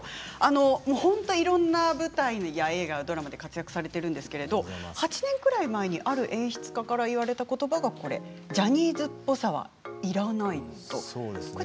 本当にいろんな舞台や映画やドラマで活躍されているんですが８年ぐらい前にある演出家から言われた言葉がジャニーズっぽさはいらない。